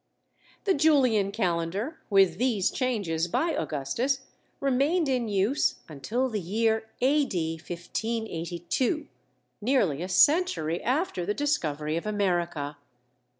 The Julian calendar, with these changes by Augustus, remained in use until the year A. D. 1582, nearly a century after the discovery of America.